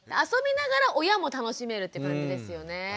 遊びながら親も楽しめるって感じですよね。